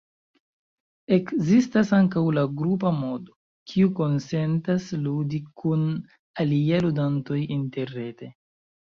Ekzistas ankaŭ la "grupa modo", kiu konsentas ludi kun aliaj ludantoj interrete.